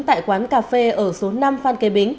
tại quán cà phê ở số năm phan kế bính